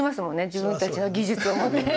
自分たちの技術をもって。